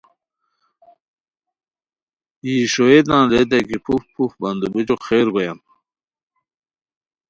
یی ݰوئیےتان ریتائے کی پھوف پھوف بندوبچو خیر گویان!